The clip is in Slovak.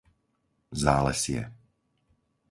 Zálesie